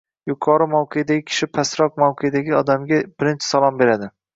Yuqori mavqedagi kishi pastroq mavqedagi odamga birinchi salom beriladi.